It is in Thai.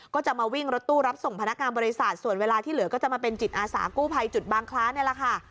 ก็จะมาวิ่งรถตู้รับส่งพนักงานบริษัทส่วนเวลาที่เหลือก็จะมาเป็นจิตอาสากู้ภัยจุดบางคล้านี่แหละค่ะ